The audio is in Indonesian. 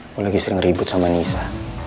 aku lagi sering ribut sama nisa